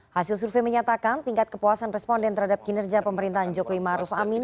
hasil survei menyatakan tingkat kepuasan responden terhadap kinerja pemerintahan jokowi maruf amin